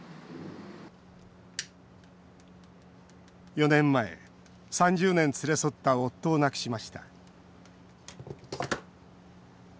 ４年前、３０年連れ添った夫を亡くしました